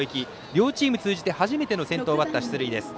両チーム通じて初めての先頭バッター出塁。